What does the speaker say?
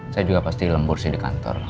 saya juga pasti lembursi di kantor